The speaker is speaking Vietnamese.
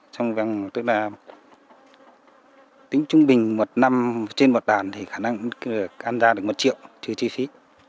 trong văn tức là tính trung bình một năm trên một đàn thì khả năng ăn ra được một triệu chứ chi phí